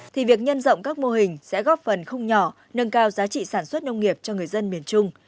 thì việc nhân rộng các mô hình sẽ góp phần không nhỏ nâng cao giá trị sản xuất nông nghiệp cho người dân miền trung